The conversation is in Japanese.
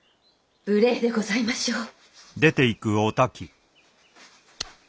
無礼でございましょう！